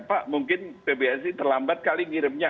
pak mungkin pbsi terlambat kali ngirimnya